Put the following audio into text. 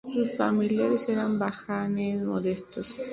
Sus familiares eran brahmanes modestos.